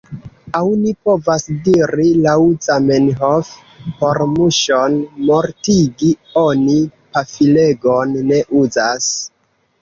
Aŭ ni povas diri laŭ Zamenhof: por muŝon mortigi, oni pafilegon ne uzas.